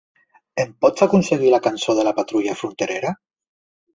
Em pots aconseguir la cançó de la patrulla fronterera?